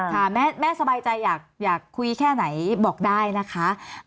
ค่ะแม่สบายใจอยากคุยแค่ไหนบอกได้นะคะ